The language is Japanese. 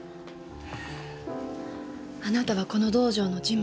あなたはこの道場の事務。